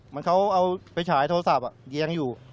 เหมือนเขาเอาไปฉายโทรศัพท์เรียงอยู่